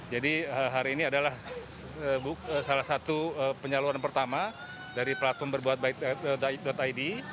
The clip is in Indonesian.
jadi hari ini adalah salah satu penyaluran pertama dari platform berbuatbaik id